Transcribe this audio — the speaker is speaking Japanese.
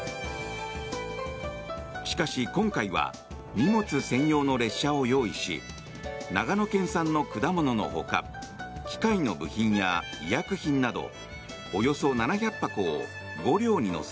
しかし今回は荷物専用の列車を用意し長野県産の果物のほか機械の部品や医薬品などおよそ７００箱を５両に載せ